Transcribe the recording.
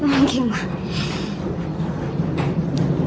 อ้าวเก่งมาก